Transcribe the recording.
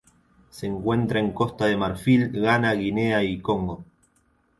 Se encuentra en Costa de Marfil, Ghana, Guinea y Congo.